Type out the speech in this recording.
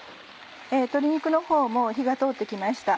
鶏肉のほうも火が通って来ました。